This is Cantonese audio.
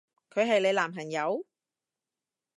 佢係你男朋友？